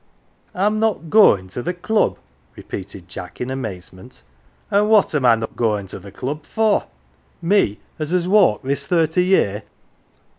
'Tin not goin' to the Club?" repeated Jack in amazement. " An' what am I not goin 1 to the Club for ? me as has walked this thirty year."